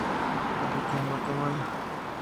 Habita en Guatemala.